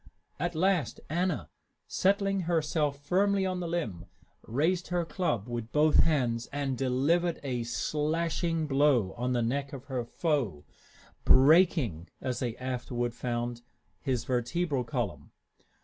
At last Anna, settling herself firmly on the limb, raised her club with both hands and delivered a slashing blow on the neck of her foe, breaking, as they afterward found, his vertebral column.